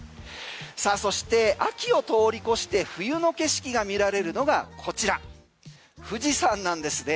さあ、そして秋を通り越して冬の景色が見られるのがこちら、富士山なんですね。